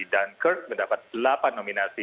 dunkirk mendapat delapan nominasi